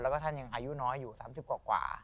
แล้วก็ท่านยังอายุน้อยอยู่๓๐กว่า